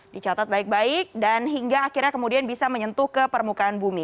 dicatat baik baik dan hingga akhirnya kemudian bisa menyentuh ke permukaan bumi